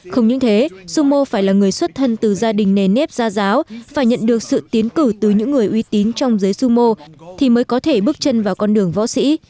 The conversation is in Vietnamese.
không những thế sumo phải là người xuất thân từ gia đình nền nếp gia giáo phải nhận được sự tiến cử từ những người uy tín trong giới sumo thì mới có thể bước chân vào con đường võ sĩ